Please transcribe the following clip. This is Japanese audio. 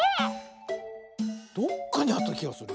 どっかにあったきがする。